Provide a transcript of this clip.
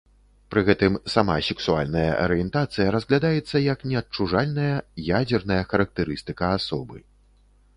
Пры гэтым сама сексуальная арыентацыя разглядаецца як неадчужальная, ядзерная характарыстыка асобы.